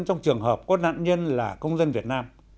trong trường hợp có nạn nhân là công dân việt nam